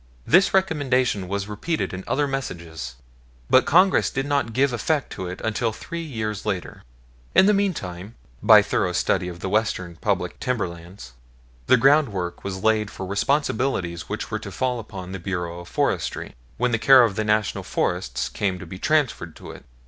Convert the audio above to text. This recommendation was repeated in other messages, but Congress did not give effect to it until three years later. In the meantime, by thorough study of the Western public timberlands, the groundwork was laid for the responsibilities which were to fall upon the Bureau of Forestry when the care of the National Forests came to be transferred to it.